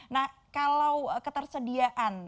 nah kalau ketersediaan